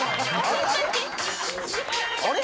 「あれ？」